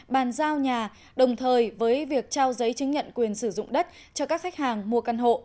bàn giao nhà đồng thời với việc trao giấy chứng nhận quyền sử dụng đất cho các khách hàng mua căn hộ